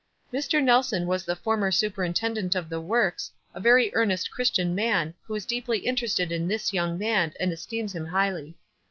"Mr. Nelson was the former superintendent of the works, a very earnest Christian man, who is deeply interested in this young man, and es teems him highly."